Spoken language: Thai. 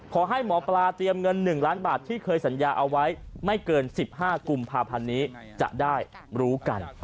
ขอให้หมอปลาเตรียมเงิน๑ล้านบาทที่เคยสัญญาเอาไว้ไม่เกิน๑๕กุมภาพันธ์นี้จะได้รู้กัน